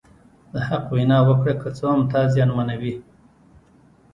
د حق وینا وکړه که څه هم تا زیانمنوي.